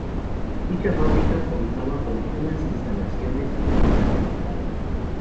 Dicha fábrica contaba con unas instalaciones únicas en España.